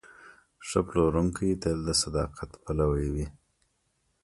ښه پلورونکی تل د صداقت پلوی وي.